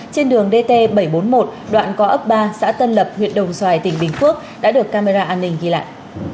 trên đường dt bảy trăm bốn mươi một đoạn có ấp ba xã tân lập huyện đồng xoài tỉnh bình phước đã được camera an ninh ghi lại